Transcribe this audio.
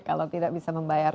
kalau tidak bisa membayar